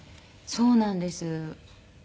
そうなんです。